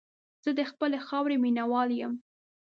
زه د خپلې خاورې مینه وال یم.